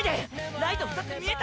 ライト２つ見えた！